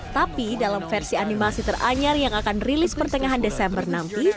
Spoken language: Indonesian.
tapi dalam versi animasi teranyar yang akan rilis pertengahan desember nanti